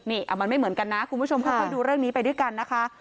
นี่มันไม่เหมือนกันนะคุณผู้ชมค่อยดูเรื่องนี้ไปด้วยกันนะคะ